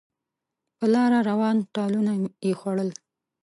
په لاره روان ټالونه یې خوړل